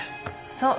そう